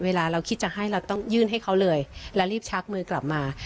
เวลาเราคิดจะให้เราต้องยื่นให้เขาเลยและรีบชักมือกลับมา